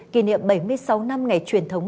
kỷ niệm bảy mươi sáu năm ngày truyền thống